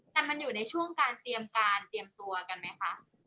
แต่มันอยู่ในช่วงการเตรียมการเตรียมตัวกันไหมคะ